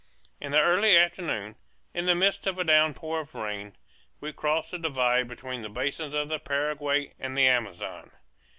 In the early afternoon, in the midst of a downpour of rain, we crossed the divide between the basins of the Paraguay and the Amazon.